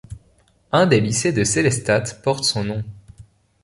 Un des lycées de Sélestat porte son nom.